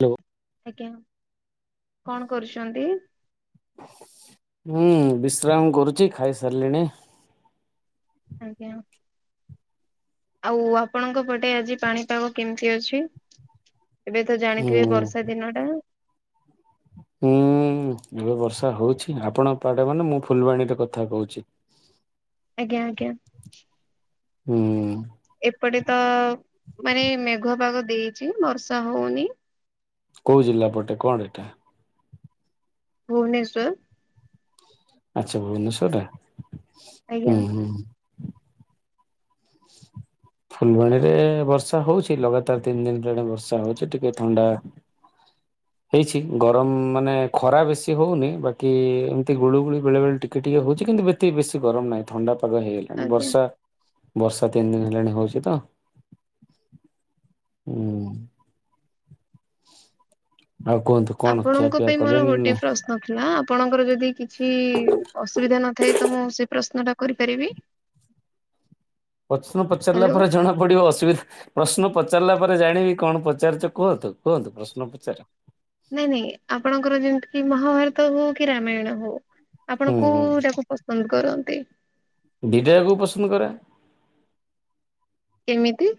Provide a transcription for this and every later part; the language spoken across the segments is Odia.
ହ୍ୟାଲୋ ଆଜ୍ଞା କଣ କରୁଛନ୍ତି। ମୁଁ ବିଶ୍ରାମ କରୁଚି ଖାଇସାରିଲିଣି। ଆଜ୍ଞା। ଆଉ ଆପଣଙ୍କ ପଟେ ଆଜି ପାଣିପାଗ କେମିତି ଅଛି। ଏବେ ତ ହୁଁ। ଜାଣିଥିବେ ବର୍ଷା ଦିନ ଟା। ହୁଁ। ହୁଁ ଏବେ ବର୍ଷା ହଉଛି ଆପଣଙ୍କ ଆଡେ ମାନେ ମୁଁ ଫୁଲବାଣୀରେ କଥା କହୁଛି। ଆଜ୍ଞା ଆଜ୍ଞା। ହୁଁ। ଏପଟେ ତ ମାନେ ମେଘୁଆ ପାଗ ଦେଇଚି ବର୍ଷା ହଉନି। କୋଉ ଜିଲ୍ଲା ପଟେ କଣ ଏଟା? ଭୁବନେଶ୍ୱର। ଆଚ୍ଛା ଭୁବନେଶ୍ୱର ରା ଆଜ୍ଞା ହୁଁ ହୁଁ। [inaudible] ଫୁଲବାଣୀ ରେ ବର୍ଷା ହଉଛି, ଲଗାତାର ତିନି ଦିନ ହେଲାଣି ବର୍ଷା ହଉଛି ଟିକେ ଥଣ୍ଡା। [inaudible] ହେଇଛି ଗରମ ମାନେ, ଖରା ବେଶୀ ହଉନି, ବାକି ଏମିତି ଗୁଳୁ ଗୁଳିୁ ବେଳେ ବେଳେ, ଟିକେ ଟିକେ ହଉଛି। କିନ୍ତୁ ଏତେ ବେଶୀ ଗରମ ନାଇଁ ଥଣ୍ଡା ପାଗ ହେଇଗଲାଣି ଆଜ୍ଞା। ବର୍ଷା, ବର୍ଷା ତିନି ଦିନ ହେଲାଣି ହଉଛି ତ [inaudible] ହୁଁ। [inaudible] କଣ ଆପଣଙ୍କ ଖିଆପିଆ ପାଇଁ ମୋର କଲେଣି ଗୋଟେ ନା ପ୍ରଶ୍ନ ଥିଲା, ଆପଣଙ୍କର ଯଦି କିଛି ଅସୁବିଧା ନ ଥାଏ ତ ମୁଁ ସେ ପ୍ରଶ୍ନ ଟା କରିପାରିବି? ପ୍ରଶ୍ନ ପଚାରିଲା ହ୍ୟାଲୋ ପରେ ଜଣା ପଡିବ, ଅସୁବିଧା ପ୍ରଶ୍ନ ପଚାରିଲା ପରେ ଜାଣିବି, କଣ ପଚାରୁଛ କୁହନ୍ତୁ କୁହନ୍ତୁ ପ୍ରଶ୍ନ ପଚାର? ନାଇଁ ନାଇଁ ଆପଣଙ୍କର ଯେମିତିକି, ମହାଭାରତ ହଉ କି ରାମାୟଣ ହଉ। ଆପଣ ହୁଁ ହୁଁ କୋଉଟାକୁ ପସନ୍ଦ କରନ୍ତି? ଦିଟାକୁ ପସନ୍ଦ କରେ। [inaudible] କେମିତି?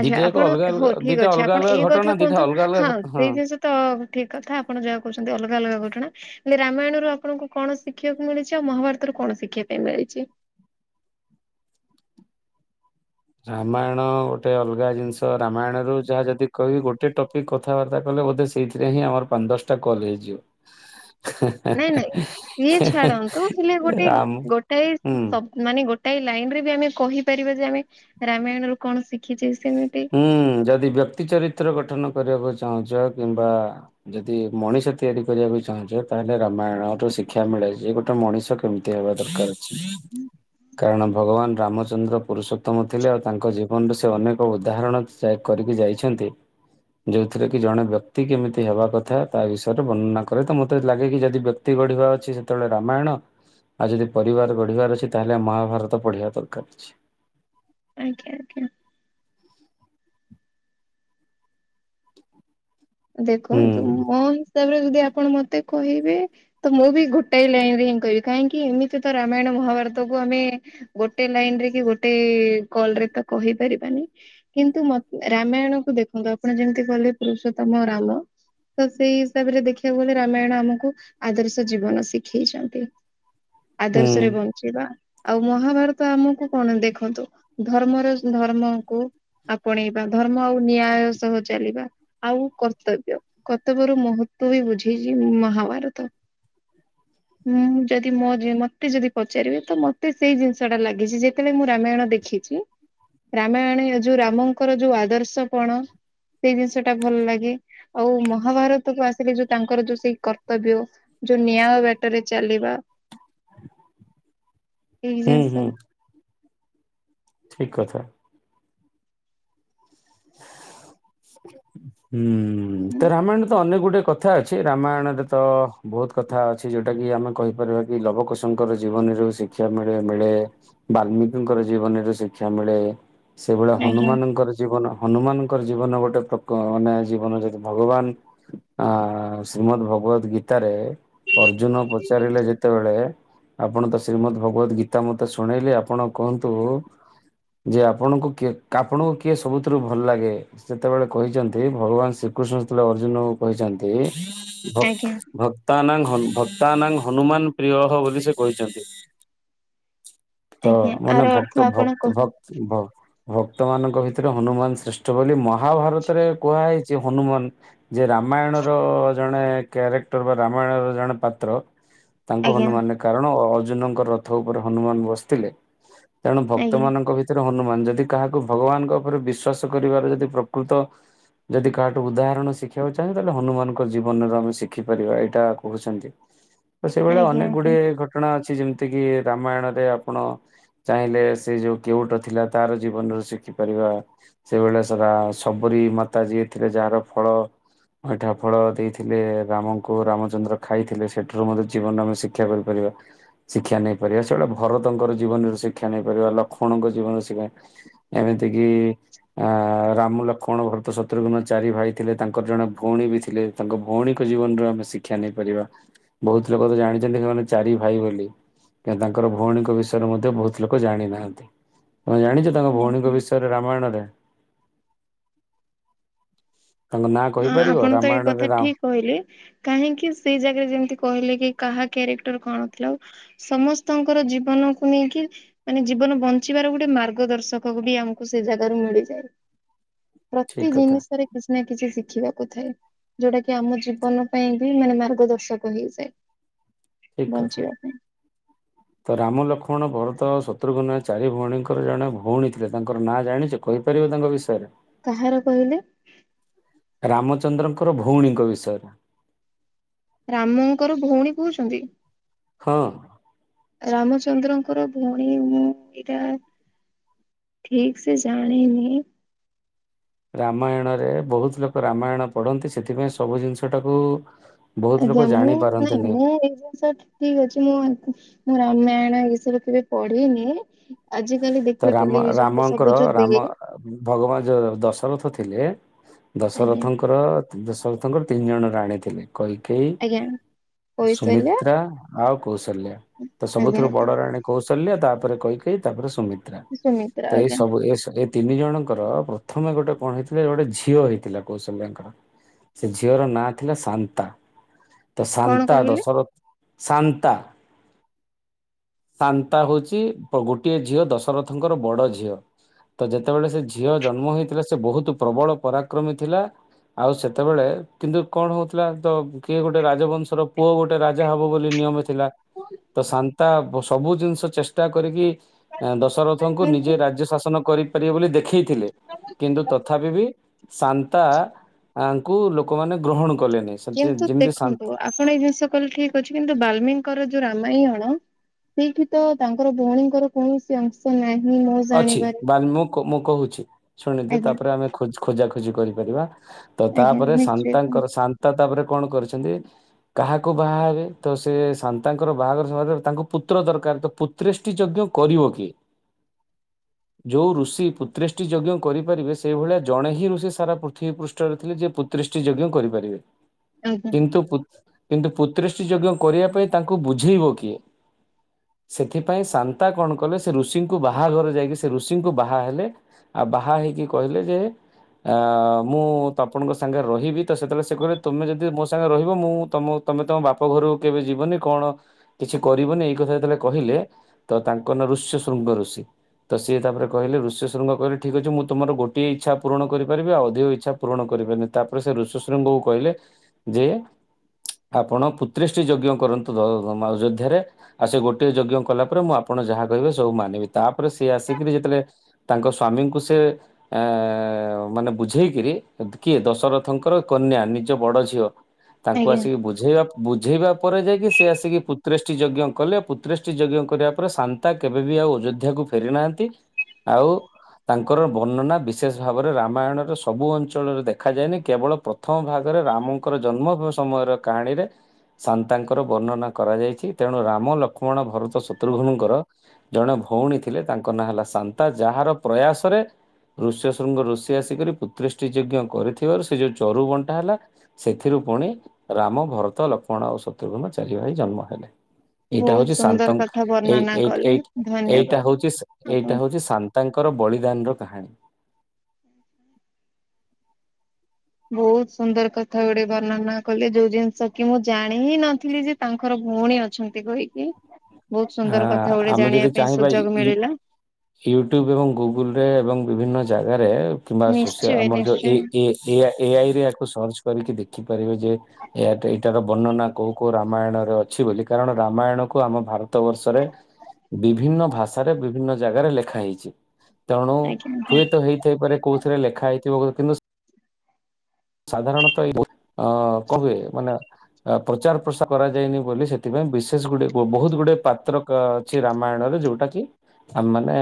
ଆଚ୍ଛା ଦିଟାଯାକ ଆପଣ ଅଲଗା ହଉ ଅଲଗା ଠିକ ଦିଟା ଅଛି, ଅଲଗା ଆପଣ ଅଲଗା ଏଇ ଘଟଣା କଥା ଦିଟା କୁହନ୍ତୁ, ଅଲଗା ଅଲଗା ହଁ ଘଟଣା ସେଇ ଜିନିଷ ତ ଠୀକ୍ କଥା। ଆପଣ ଯାହା କହୁଛନ୍ତି ଅଲଗା ଅଲଗା ଘଟଣା। ହେଲେ ରାମାୟଣରୁ ଆପଣଙ୍କୁ, କଣ ଶିଖିବାକୁ ମିଳିଛି ଆଉ ମହାଭାରତରୁ, କଣ ଶିଖିବା ପାଇଁ ମିଳିଛି? [inaudible] ରାମାୟଣ ଗୋଟେ ଅଲଗା ଜିନିଷ, ରାମାୟଣ ରୁ ଯାହା ଯଦି କହିବି ଗୋଟେ ଟପିକ୍ କଥାବାର୍ତ୍ତା କଲେ। ବୋଧେ ସେଇଥିରେ ହିଁ ଆମର ପାଞ୍ଚ ଦଶଟା କଲ୍ ହେଇଯିବ। [inaudible] ନାଇଁ ନାଇଁ ସିଏ ଛାଡନ୍ତୁ ହେଲେ ଗୋଟେ ରାମ ଗୋଟାଏ ହୁଁ। ଶବ ମାନେ ଗୋ ଟାଏ ଲାଇନ ରେ ବି ଆମେ କହିପାରିବା ଯେ, ଆମେ ରାମାୟଣ ରୁ କଣ ଶିଖିଛେ। ସେମିତି ହୁଁ ଯଦି ବ୍ୟକ୍ତି ଚରିତ୍ର ଗଠନ। କରିବାକୁ ଚାହୁଁଛ, କିମ୍ବା ଯଦି ମଣିଷ ତିଆରି କରିବାକୁ ଚାହୁଁଛ ତାହେଲେ ରାମାୟଣ ର ଶିକ୍ଷା ମିଳେ ଯେ ଗୋଟେ ମଣିଷ କେମିତି ହେବା ଦରକାର। କାରଣ ଭଗବାନ ରାମଚନ୍ଦ୍ର ପୁରୁଷୋତ୍ତମ ଥିଲେ, ଆଉ ତାଙ୍କ ଜୀବନରେ ସେ ଅନେକ ଉଦାହରଣ ସେ କରିକି ଯାଇଛନ୍ତି। ଯୋଉଥିରେ କି ଜଣେ ବ୍ୟକ୍ତି କେମିତି ହେବା କଥା, ତା ବିଷୟରେ ବର୍ଣ୍ଣନା କରେ, ତ ମତେ ଲାଗେ କି ଯଦି ବ୍ୟକ୍ତି ବଢିବା ଅଛି ସେତେବେଳେ ରାମାୟଣ ଆଉ ଯଦି ପରିବାର ଗଢିବାର ଅଛି ତାହାଲେ ମହାଭାରତ ପଢ଼ିବା ଦରକାର୍ ଅଛି। ଆଜ୍ଞା ଆଜ୍ଞା। ହୁଁ ଦେଖନ୍ତୁ ମୋ ହିସା ହିସାବ ରେ ଯଦି ଆପଣ ମତେ କହିବେ, ତ ମୁଁ ବି ଗୋଟାଏ ଲାଇନ ରେ ହିଁ କହିବି, କାହିଁକି ଏମିତି ତ ରାମାୟଣ ମହାଭାରତକୁ ଆମେ ଗୋଟେ ଲାଇନରେ କି ଗୋଟେ କଲ ରେ ତ କହିପାରିବାନି। କିନ୍ତୁ ରାମାୟଣକୁ ଦେଖନ୍ତୁ ଆପଣ ଯେମିତି କହିଲେ ପୁରୁଷୋତ୍ତମ ରାମ ତ ସେଇ ହିସାବରେ, ଦେଖିବାକୁ ଗଲେ ରାମାୟଣ ଆମକୁ ଆଦର୍ଶ ଜୀବନ ଶିଖେଇଛନ୍ତି। ହୁଁ ଆଦର୍ଶରେ ବଞ୍ଚିବା। ଆଉ ମହାଭାରତ ଆମକୁ କଣ ଦେଖନ୍ତୁ ଧର୍ମର ଧର୍ମକୁ ଆପଣେଇବା ଧର୍ମ ଆଉ ନ୍ୟାୟ ସହ ଚାଲିବା। ଆଉ କର୍ତ୍ତବ୍ୟ, କର୍ତ୍ତବ୍ୟ ରୁ ମହତ୍ତ୍ଵ ବି ବୁଝେଇଛି ମହାଭାରତ। [inaudible] ହଁ ଯଦି ମୋ ଯ, ମତେ ଯଦି ପଚାରିବେ ତ ମତେ ସେଇ ଜିନିଷ ଟା ଲାଗିଛି, ଯେତେବେଳେ ମୁଁ ରାମାୟଣ ଦେଖି ରାମାୟଣ ଯୋଉ ରାମଙ୍କର, ଯୋଉ ଆଦର୍ଶପଣ ସେଇ ଜିନିଶ ସେଟା ଭଲ ଲାଗେ, ଆଉ ମହାଭାରତକୁ ଆସିକି ଯୋଉ ତାଙ୍କର ଯୋଉ ସେଇ କର୍ତ୍ତବ୍ୟ, ଯୋଉ ନିଆ ବାଟରେ ଚାଲିବା। ଏହି ହୁଁ ହୁଁ ଜିନିଷ ଠିକ କଥା। ହୁଁ ତ ରାମାୟଣ ତ ଅନେକ ଗୁଡେ ଟେ କଥା ଅଛି ରାମାୟଣରେ ତ ବହୁତ କଥା ଅଛି ଯୋଉଟା କି ଆମେ କହିପାରିବା କି ଲବ କୋଶଙ୍କର ଜୀବ ଜୀବନରୁ ଶିକ୍ଷା ମିଳେ ମିଳେ ବାଲ୍ଲିକିଙ୍କର ଜୀବନରେ ଶିକ୍ଷା ମିଳେ। ସେଇଭଳିଆ ଆଜ୍ଞା ହନୁମାନଙ୍କର ଜୀବନ ମାନଙ୍କର ଜୀବନ ଗୋଟେ ପ୍ରକ ମାନେ ଜୀବନ ଯଦି ଭଗବାନ ଆ ଶ୍ରୀମଦ୍ ଭଗବତ ଗୀ ଗୀତାରେ ଅର୍ଜୁନ ପଚାରିଲେ ଯେତେବେଳେ ଆପଣ ତ ଶ୍ରୀମତ୍ ଭଗବତ ଗୀତା ମତେ ଶୁଣେଇଲେ ଆପଣ କହନ୍ତୁ ଯେ ଆପଣଙ୍କୁ କିଏ ଆପଣଙ୍କୁ କିଏ ସବୁ ସେଥିରୁ ଭଲ ଲାଗେ ସେତେବେଳେ କହିଛନ୍ତି ଭଗବାନ ଶ୍ରୀକୃଷ୍ଣତେବେଳେ ଅର୍ଜୁନଙ୍କୁ କହିଛନ୍ତି। ଭକ୍ ଆଜ୍ଞା ଭକ୍ତାନାଂ ହନୁମାନ ପ୍ରିୟହା ବୋଲି ସେ କହିଛନ୍ତି। ତ ଆଜ୍ଞା ମାନେ ଆର ଅର୍ଥ ଭକ୍ତ ଆପଣ କହ ଭକ୍ତ ଭକ୍ତ ଭକ୍ତ ଭକ୍ତମାନାନଙ୍କ ଭିତରେ ହନୁମାନ ଶ୍ରେଷ୍ଠ ବୋଲି ମହାଭାରତରେ କୁହା ହୋଇଛି ହନୁମାନ ଯେ ରାମାୟଣର ଜଣେ କ୍ୟାରେକ୍ଟର ବା ରାମାୟଣର ଜଣେ ପାତ୍ର। ତାଙ୍କ ଆଜ୍ଞା ହନୁମାନ କାରଣ ଅର୍ଜୁନଙ୍କ ରଥ ଉପରେ ହନୁମାନ ବସିଥିଲେ। ତେଣୁ ଭକ୍ତ ଆଜ୍ଞା ମାନଙ୍କ ଭିତରେ ହନୁମାନ ଯଦି କାହାକୁ ଭଗବାନଙ୍କ ଉପରେ ବିଶ୍ଵାସ କରିବାର ଯଦି ପ୍ରକୃତ ଯଦି କାହାଠୁ ଉଦାହରଣ ଶିଖିବାକୁ ଚାହେଁ ତାହେଲେ ହନୁମାନଙ୍କ ଜୀବନରେ ଆମେ ଶିଖିପାରିବା ଏଇଟା କହୁଛନ୍ତି। ତ ସେଇଭଳିଆ ଆଜ୍ଞା ଅନେକ ଆଜ୍ଞା ଗୁଡିଏ ଘଟଣା ଅଛି। କିଛି ଯେମିତି କିି ରାମାୟଣରେ ଆପଣ ଚାହିଁଲେ ସେ ଯୋଉ କେଉଟ ଥିଲା ତାର ଜୀବନର ଶି ଦେଖିପାରିବା ସେଇଭଳିଆ ସବରୀ ମାତା ଯିଏ ଥିଲେ ଯାହାର ଫଳ ଏଠା ଫଳ ଦେଇଥିଲେ ରାମଙ୍କୁ ରାମଚନ୍ଦ୍ର ଖାଇଥିଲେ ସେଠାରୁ ମଧ୍ୟ ଜୀବନରେ ଆମେ ଶିକ୍ଷା କରିପାରିବା। ଶିକ୍ଷା ନେଇପାରିବା ସେଇଭଳିଆ ଭରତଙ୍କର ଜୀବନରେ ଶିକ୍ଷା ନେଇପାରିବା ଲକ୍ଷ୍ମଣଙ୍କ ଜୀବନରେ ଶିକ୍ଷା ଏମିତି କିି ଅ ରାମ ଲକ୍ଷ୍ମଣ ଭରତ ଶତ୍ରୁଘୁ୍ନ ଚାରି ଭାଇ ଥିଲେ ତାଙ୍କର ଜଣେ ଭଉଣୀ ବି ଥିଲେ ତାଙ୍କ ଭଉଣୀ ଭଉଣୀ ଜୀବନ ର ଆମେ ଶିକ୍ଷା ନେଇପାରିବା ବହୁତ ଲୋକ ତ ଜାଣିଛନ୍ତି ସେମାନେ ଚାରି ଭାଇ ବୋଲି। ତାଙ୍କର ଭଉଣୀଙ୍କ ବିଷୟରେ ମଧ୍ୟ ବହୁତ ଲୋକ ଜାଣି ନାହାନ୍ତି। ତମେ ଜାଣିଛ ତାଙ୍କ ଭଉଣୀଙ୍କ ଆଜ୍ଞା। ବିଷୟରେ ରାମାୟଣ? ତାଙ୍କ ନାଁ ହଁ କହିପାରିବ ଆପଣ ତ ଏଇ ରାମାୟଣରେ କଥା ରା ଠିକ କହିଲେ କାହିଁକି ସେଇ ଜାଗାରେ ଯେମିତି କହିଲେ କି କାହା କାରେକ୍ଟର କଣ ଥିଲା ଆଉ ସମସ୍ତଙ୍କର ଜୀବନକୁ ନେଇକି ମାନେ ଜୀବନ ବଞ୍ଚିବାର ଗୋଟେ ମାର୍ଗ ଦର୍ଶକ ବି ଆମକୁ ସେ ଜାଗାରୁ ମିଳିଯାଏ। ପ୍ରତି ଠିକ କଥା ଜିନିଷରେ କିଛି ନା କିଛି ଶିଖିବାକୁ ଥାଏ ଯୋଉଟା କି ଆମ ଜୀବନ ପାଇଁ ବି ମାନେ ମାର୍ଗଦର୍ଶକ ହେଇଯାଏ। ଠିକ କଥା ବଞ୍ଚିବା ପାଇଁ। ତ ରାମ, ଲକ୍ଷ୍ମଣ, ଭରତ, ଶତ୍ରୁଘ୍ନ ଚାରି ଭଉଣୀଙ୍କର ଜଣେ ଭଉଣୀ ଥିଲେ ତାଙ୍କର ନାଁ ଜାଣିଛ କହିପାରିବ ତାଙ୍କ ବିଷୟରେ? କାହାର କହିଲେ? ରାମଚନ୍ଦ୍ରଙ୍କର ଭଉଣୀଙ୍କ ବିଷୟରେ। ରାମଙ୍କର ଭଉଣୀ କହୁଛନ୍ତି। ହଁ। ରାମଚନ୍ଦ୍ରଙ୍କର ଭଉଣୀ ମୁଁ ଏଇଟା ଠିକ ସେ ଜାଣିନି। ରାମାୟଣରେ ବହୁତ ଲୋକ ରାମାୟଣ ପଢନ୍ତି ସେଥିପାଇଁ ସବୁ ଜିନିଷ ଟାକୁ ବହୁତ ଲୋକ ଆଜ୍ଞା ଜାଣି ମୁଁ ନାଇଁ ପାରନ୍ତିନି ମୁଁ ଏଇ ଜିନିଷ ଠିକ ଅଛି ମୁଁ ମୋ ରାମାୟଣ ଏ ସବୁ କେବେ ପଢିନି। ଆଜିକାଲି ତ ଦେଖିବେ ରାମ ଟେଲିଭିଜନରେ ରାମଙ୍କର ସବୁ ଯୋଉ ରାମ ଦିଏ ଭଗବାନ ଯୋଉ ଦଶରଥ ରଥ ଥିଲେ ଆଜ୍ଞା ଦଶରଥଙ୍କର ଦଶରଥଙ୍କର ତିନି ଜଣ ରାଣୀ ଥିଲେ। କୈକେଇ, ଆଜ୍ଞା କୌଶଲ୍ୟା ସୁମିତ୍ରା, ଆଉ କୌଶଲ୍ୟା ତ ଆଜ୍ଞା ସବୁଥୁରୁ ଆଜ୍ଞା ବଡ ରାଣୀ କୌଶଲ୍ୟା ତାପରେ କୈକେୟୀ ତାପରେ ସୁମିତ୍ରା ସୁମିତ୍ରା ତ ଏ ଆଜ୍ଞା ସବୁ ତିନି ଜଣ ଙ୍କର ପ୍ରଥମେ ଗୋଟେ କଣ ହେଇଥିଲା ଗୋଟେ ଝିଅ ହେଇଥିଲା କୌଶଲ୍ୟାଙ୍କର। ସେ ଝିଅର ନାଁ ଥିଲା ସାନ୍ତା ତ କଣ ସାନ୍ତା କହିଲେ ଦଶରଥ ସା ସାନ୍ତା ହୋଉଛି ଗୋଟ। ଏ ଝିଅ ଦଶରଥଙ୍କର ବଡ଼ ଝିଅ। ତ ଯେତେବେଳେ ସେ ଝିଅ ଜନ୍ମ ହେଇଥିଲା ସେ ବହୁତ ପ୍ରବଳ ପରାକ୍ରମୀ ଥିଲା। ଆଉ ସେତେବେଳେ କିନ୍ତୁ କଣ ହଉଥିଲା ତ କିଏ ଗୋଟେ ରାଜବଂଶର ପୁଅ ଗୋଟେ ରାଜା ହବ ବୋଲି ନିୟମିତ ଥିଲା ତ ସାନ୍ତା ସବୁ ଜିନିଷ ଚେଷ୍ଟା କରିକି ଦଶରଥଙ୍କୁ କିନ୍ତୁ ନିଜେ ରାଜ୍ୟ ଶାସନ କରିପାରିବେ ବୋଲି ଦେଖି ଥିଲେ କିନ୍ତୁ ତଥାପି ବି ସାନ୍ତାଙ୍କୁ ଲୋକମାନେ ଗ୍ରହଣ କଲେନି ସେମିତି କିନ୍ତୁ ଯେମିତି ଶାନ୍ତ ଦେଖନ୍ତୁ ଆପଣ ଏଇ ଜିନିଷ କହିଲେ ଠିକ ଅଛି କିନ୍ତୁ ବଲ୍ମିକ ଙ୍କର ଯୋଉଁ ରାମାୟୀଣଣଥିଲା। ସେଠି ତ ତାଙ୍କର ଭଉଣୀଙ୍କର କୌଣସି ଅଂଶ ନାହିଁ। ମୁଁ ଅଛି ଜାଣିବାରେ ବା ମୁଁ ମୁଁ କହୁଛି ଶୁଣିଦି ଆଜ୍ଞା ତାପରେ ଆମେ ଖୋଜା ଖୋଜି କରିପାରିବା। ତ ଆଜ୍ଞା ତାପରେ ନିଶ୍ଚୟ ସାନ୍ତାଙ୍କର ସାନ୍ତା ତାପରେ କଣ କରିଛନ୍ତି କାହାକୁ ବାହା ହେବେ ତ ସେ ସାନ୍ତାଙ୍କର ବାହାଘର ତାଙ୍କୁ ପୁତ୍ର ଦରକାର ପୁତ୍ରେଷ୍ଟି ଯଜ୍ଞ କରିବ କିଏ? [inaudible] ଯୋଉ ଋଷି ପୁତ୍ର୍ରୀଷ୍ଟି ଯଜ୍ଞ କରିପାରିବେ ସେଇଭଳିଆ ଜଣେ ହିଁ ଋଷି ସାରା ପୃଥିବୀ ପୃଷ୍ଠରେ ଥିଲେ ଯିଏ ପୁତ୍ରୀଷ୍ଟି ଯଜ୍ଞ କରିପାରିବେ ଆଜ୍ଞା କିନ୍ତୁପୂତ୍ର କିନ୍ତୁ ପୁତ୍ରେଷ୍ଟି ଯଜ୍ଞ କରିବା ପାଇଁ ତାଙ୍କୁ ବୁଝେଇବ କିଏ? ସେଥିପାଇଁ ସାନ୍ତା କଣ କଲେ ସେ ଋଷିଙ୍କୁ ବାହା ବାହାଘରେ ଯାଇକି ସେ ଋଷିଙ୍କୁ ବାହା ହେଲେ ଆଉ ବାହା ହେଇକି କହିଲେ ଯେ ଅ ମୁଁ ତପନ ଙ୍କ ସାଙ୍ଗେ ରହିବି ତ ସେତେବେଳେ ସେ କହିଲେ ତୁମେ ଯଦି ମୋ ସାଙ୍ଗେ ରହିବ ମୁଁ ତମ ତମେ ତମ ବାପ ଘରକୁ କେବେ ଯିବନି କଣ କିଛି କରିବନି ଏଇ କଥା ଯେତେବେଳେ କହିଲେ ତ ତାଙ୍କ ଋଷ୍ୟ ଶୃଙ୍ଗ ଋଷି। ତ ସି ତାପରେ କିଲେ ଋଷ୍ୟ ଶୃଙ୍ଗହିଲ ଠିକ୍ ଅଛି ମୁଁ ତମର ଗୋଟଏ ଇଛା ପୂରଣ କରିପାରିବି ଆଉ ଅଧିକ ଇଚ୍ଛା ପୂରଣ କଣ କରିବନି ତାପରେ ସେ ଋଷି ହଶୃଙ୍ଗ ଙ୍କୁ କହିଲେ ଯେ ଆପଣ ପୁତ୍ରୀସି ଟି ଯଜ୍ଞ କରନ୍ତୁ ଅଯୋଧ୍ୟାରେ ଆଉ ସେ ଗୋଟେ ଯଜ୍ଞ କଲା ପରେ ମୁଁ ଆପଣ ଆ ଯାହା କହେ ସବୁ ମାନିବି। ତାପରେ ସେ ଆସିକିରି ଯେତେବେଳେ ତାଙ୍କ ସ୍ଵାମୀଙ୍କୁ ସେ ଅ ମାନେ ବୁଝେଇକି କିଏ ଦଶରଥଙ୍କର କନ୍ୟା ନିଜ ବଡ ଝିଅ। ତାଙ୍କୁ ଆଜ୍ଞା ଆସିକି ବୁଝେଇବା ବୁଝେଇବା ପରେ ଯାଇକି ସେ ଆସିକି ପୁତ୍ରେଷ୍ଟି ଯଜ୍ଞ କଲେ ଆଉ ପୁତ୍ରେଷ୍ଟି ଯଜ୍ଞ କରିବା ପରେ ସାନ୍ତା କେବେବି ଆଉ ଯ ଏହାକୁ ଫେରି ନାହାନ୍ତି ଆଉ। ତାଙ୍କର ବର୍ଣ୍ଣନା ବିଶେଷ ଭାବରେ ରାମାୟଣର ସବୁ ଅଞ୍ଚଳରେ ଦେଗଖାାଯାନି କେବଳ ପ୍ରଥମ ଭାଗ ରାମଙ୍କର ଜନ୍ମ ହେବ ସମୟର କାହାଣୀରେ ସାନ୍ତାଙ୍କର ବର୍ଣ୍ଣନା କରାଯାଇଛି ତେଣୁ ରାମ ଲକ୍ଷ୍ମଣ ଭରତ ଶତ୍ରୁଘୁନୁଙ୍କର ଜଣେ ଭଉଣୀ ଥିଲେ ତାଙ୍କ ନାଁ ହେଲା ସାନ୍ତା ଯାହାର ପ୍ରୟାସରେ ଋଷ୍ୟ ଶୃଙ୍ଗର ଋଷି ଆସିକରି ପୁତିଷ୍ଟି ଯଜ୍ଞ କରିଥିବାରୁ ସେ ଯୋଉଁ ଚରୁ ବଣ୍ଟା ହେଲା ସେଥିରୁ ପୁଣି ରାମ ଭରତ ଲକ୍ଷ୍ମଣ ଆଉ ଶତ୍ରୁଘ୍ନ ଚାରି ଭାଇ ଜନ୍ମ ହେଲେ। ଏଇଟା ବହୁତ ହଉଛି ସାନ୍ତ ସୁନ୍ଦର କଥା ଏ ବର୍ଣ୍ଣନା ଏଇ କଲେ ଏଇଟି ଏଇଟା ଧନ୍ୟବାଦ ହୋଉଛି ଏଇଟା ଆପଣଙ୍କୁ। ହୋଉଛି ସାନ୍ତାଙ୍କର ବଳି ଏଇଟାର କାହାଣୀ। ବହୁତ ସୁନ୍ଦର କଥା ଗୁଡେ ବର୍ଣ୍ଣନା କଲେ ଯୋଉ ଜିନିଷ କି ମୁଁ ଜାଣି ହିଁ ନଥିଲି ଯେ ତାଙ୍କର ଭଉଣୀ ଅଛନ୍ତି କହିକି ବହୁତ ହା ସୁନ୍ଦର କଥା ଗୁଡେ ଆମେ ଜାଣିବା ଯଦି ପାଇଁ ଚାହିଁବା ସୁଯୋଗ ଇ ମିଳିଲା। ୟୁଟ୍ୟୁବୁ ଏବଂ ଗୁଗୁଲ ରେ ଏବଂ ବିଭିନ୍ନ ଜା ଜାଗାରେ କିମ୍ବା ସୋସି ନିଶ୍ଚୟ ଆମର ଯଉଏ ନିଶ୍ଚୟ ଏ ଏଆଇରେ ଆକୁ ସର୍ଚ୍ଚ କରିକି ଦେଖ ଦେଖିପାରିବେ ଯେ ଏ ଏଇଟାର ବର୍ଣ୍ଣନା କୋଉଁ କୋଉଁ ରାମାୟଣରେ ଅଛି ବୋଲି କାରଣ ରାମାୟଣକୁ ଆମ ଭାରତ। ଗତ ବର୍ଷରେ ବିଭିନ୍ନ ଭାଷାରେ ବିଭିନ୍ନ ଜାଗାରେ ଲେଖା ହେଇଛି। ତେଣୁ ଆଜ୍ଞା ହୁଏତ ହେଇଥାଇପାରେ କୋଉଁ ଥିରେ ଲେଖା ହେଇଥିବ କିନ୍ତୁ? ସାଧାରଣତଃ ଏଇ ଅ କହୁଏ ମାନେ ପ୍ରଚାର ପ୍ରସାର କରାଯାଇନି ବୋଲି ସେଥିପାଇଁ ବିଶେଷ ଗୁଟେ ବହୁତ ଗୁଟେ ପାତ୍ର ଅଛି ରାମାୟଣରେ ଯୋଉଟା କି ଆମେ ମାନେ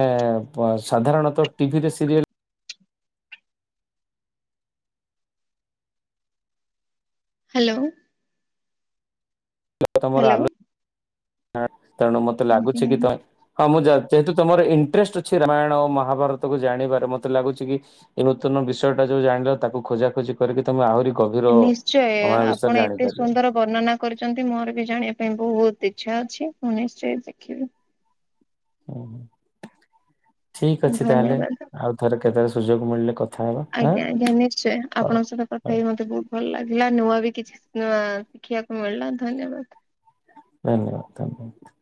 ସାଧାରଣତଃ ଟିଭିରେ ସିରିଏଲ ହ୍ୟାଲୋ, ହ୍ୟାଲୋ, ହଁ ତାରଣୁ ମତେ ଲାଗୁଛି ଆଜ୍ଞା। କି ତମେ ହଁ ମୁଁ ଯା ଯେହେତୁ ତମର ଇଣ୍ଟରେଷ୍ଟ ଅଛି ରାମାୟଣ ଓ ମହାଭାରତକୁ ଜାଣିବାରେ ମତେ ଲାଗୁଛି କି ଏ ନୂତନ ବିଷୟଟା ଯୋଉ ଜାଣିଲ ତାକୁ ଖୋଜାଖୋଜି କରିକି ତମେ ଆହୁରି ଗଭୀର ନିଶ୍ଚୟ ତମେ ଏ ବିଷୟରେ ଆପଣ ଏତେ ଜାଣିପାରିବ ସୁନ୍ଦର ବର୍ଣ୍ଣନା କରିଛନ୍ତି ମୋର ବି ଜାଣିବା ପାଇଁ ବହୁତ ଇଚ୍ଛା ଅଛି । ମୁଁ ନିଶ୍ଚୟ ଦେଖିବି । ଓହ ଠିକ ଅଛି ତାହେଲେ ଧନ୍ୟବାଦ। ଆଉ ଥରେ କେତେବେ ସୁଯୋଗ ମିଳିଲେ କ ଆଜ୍ଞା ଆଜ୍ଞା ନିଶ୍ଚୟ ଆପଣଙ୍କ ସହିତ ହଉ କଥା ହେଇି ମତେ ବହୁତ ଭଲ ଲାଗ ନୂଆ ବି କିଛି ନୂଆ ଶିଖିବାକୁ ମିଳିଲା ଧନ୍ୟବାଦ । ଧନ୍ୟବାଦ ଧନ୍ୟବାଦ ।